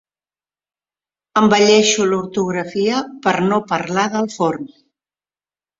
Embelleixo l'ortografia per no parlar del forn.